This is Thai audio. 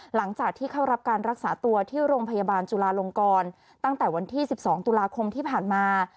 หลังจากที่เข้ารับการรักษาตัวที่โรงพยาบาลจุลาลงกรตั้งแต่วันที่๑๒ตุลาคมที่ผ่านมา